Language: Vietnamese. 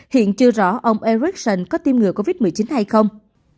hiện chưa rõ ông ericsson có tiêm ngừa covid một mươi chín hay không